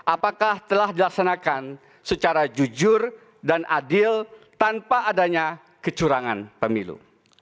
apakah telah dilaksanakan secara jujur dan adil tanpa adanya kecurangan pemilu